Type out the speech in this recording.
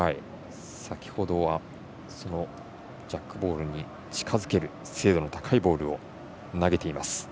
先ほどはジャックボールに近づける精度の高いボールを投げています。